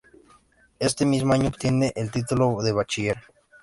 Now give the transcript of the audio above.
Este mismo año obtiene el Título de Bachiller.